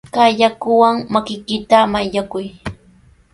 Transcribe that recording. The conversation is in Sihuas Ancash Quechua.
Kay yakuwan makiykita mayllakuy.